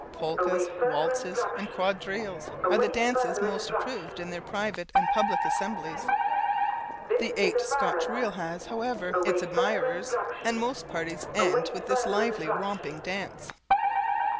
Polkas, waltzes, and quadrilles, are the dances most approved in their private and public assemblies. The eight Scotch reel has, however, its admirers, and most parties end with this lively romping dance.